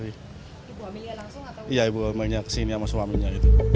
iya ibu hamilnya kesini sama suaminya